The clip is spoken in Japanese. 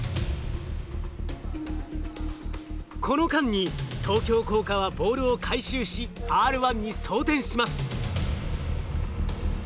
この間に東京工科はボールを回収しＲ１に装填します。